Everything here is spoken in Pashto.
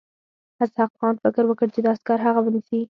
اسحق خان فکر وکړ چې دا عسکر هغه نیسي.